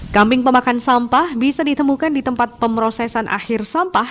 kambing pemakan sampah bisa ditemukan di tempat pemrosesan akhir sampah